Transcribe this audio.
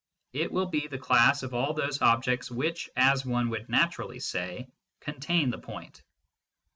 It will be the class of all those objects which, as one would naturally say, contain the point.